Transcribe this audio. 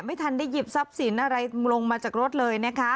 ไม่ทันได้หยิบทรัพย์สินอะไรลงมาจากรถเลยนะคะ